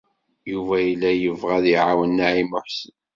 Yuba yella yebɣa ad iɛawen Naɛima u Ḥsen.